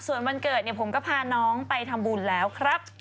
ส่วนวันเกิดเนี่ยผมก็พาน้องไปทำบุญแล้วครับ